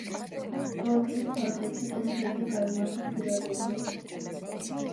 პროექტის ფარგლებში, კონცერტი გაიმართა ფილადელფიაშიც.